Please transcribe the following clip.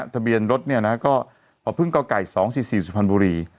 ทะเบียนรถก็อพึ่งกไก่๒๔๔สุพรรณบุรี